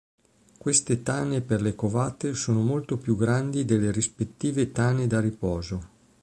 Queste tane per le covate sono molto più grandi delle rispettive tane da riposo.